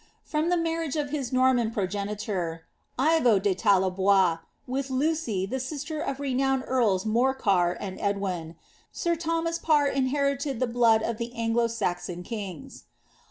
From the marriage of his Norman progenitor, Ivo de Tallebois, with Lucy, the sister of the renowned earls 3Iorcar and Edwin, sir Thomas Parr inherited the blood of the Anglo Saxon kings.